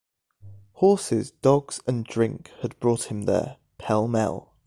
Horses, dogs, and drink had brought him there, pell-mell.